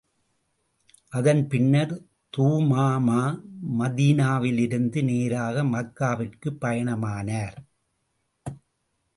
அதன் பின்னர், துமாமா மதீனாவிலிருந்து நேராக மக்காவிற்குப் பயணமானார்.